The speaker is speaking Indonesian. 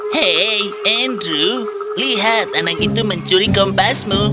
hei andrew lihat anak itu mencuri kompasmu